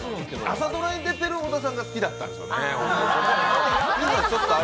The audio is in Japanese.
朝ドラに出てる小田さんが好きだったんでしょうね。